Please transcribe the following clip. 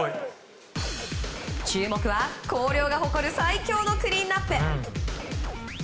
注目は、広陵が誇る最強のクリーンアップ。